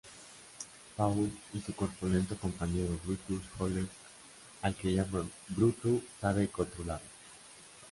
Paul y su corpulento compañero "Brutus Howell", al que llaman "Bruto", saben controlarlo.